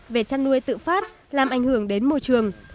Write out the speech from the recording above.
về chăn nuôi tự phát làm ảnh hưởng đến môi trường